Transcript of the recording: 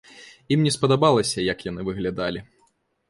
Ім не спадабалася, як яны выглядалі.